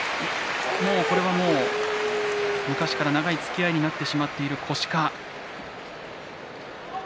これはもう昔から長いつきあいになってしまっている腰か。